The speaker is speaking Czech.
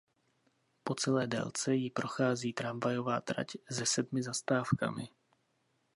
Po celé délce jí prochází tramvajová trať se sedmi zastávkami.